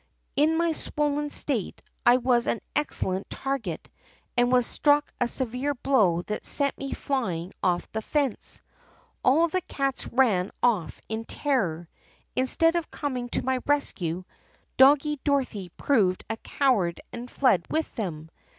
"In my swollen state I was an excellent target and was struck a severe blow that sent me flying off the fence. All the cats ran off in terror. Instead of coming to my rescue, Doggie Dorothy proved a coward and fled with them.